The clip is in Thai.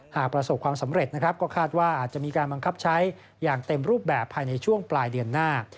หากประสบความสำเร็จนะครับก็คาดว่าอาจจะมีการบังคับใช้อย่างเต็มรูปแบบภายในช่วงปลายเดือนหน้า